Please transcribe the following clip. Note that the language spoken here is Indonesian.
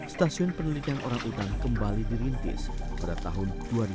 stasiun penelitian orangutan kembali dirintis pada tahun dua ribu enam